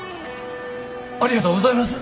ありがとうございます！